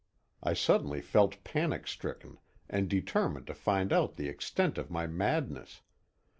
I suddenly felt panic stricken and determined to find out the extent of my madness.